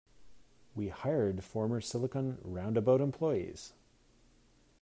We hired former silicon roundabout employees.